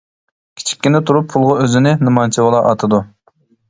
كىچىككىنە تۇرۇپ پۇلغا ئۆزىنى نېمانچىۋالا ئاتىدۇ؟ !